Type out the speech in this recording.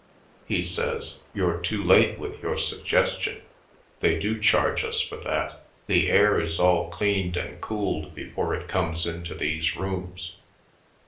He says : "You're too late with your suggestion; they do charge us for that. The air is all cleaned and cooled before it comes into these rooms."